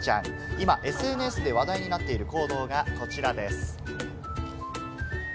今ＳＮＳで話題になっている行動がこちらです。